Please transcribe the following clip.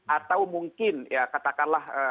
atau mungkin katakanlah